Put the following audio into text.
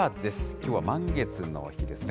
きょうは満月の日ですね。